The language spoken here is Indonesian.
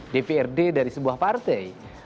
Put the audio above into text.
dprd dari sebuah partai